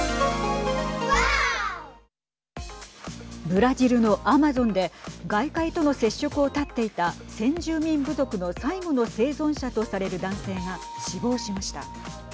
ブラジルのアマゾンで外界との接触を絶っていた先住民部族の最後の生存者とされる男性が死亡しました。